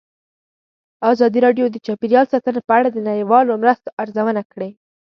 ازادي راډیو د چاپیریال ساتنه په اړه د نړیوالو مرستو ارزونه کړې.